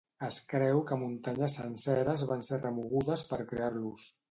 Es creu que muntanyes senceres van ser remogudes per crear-los.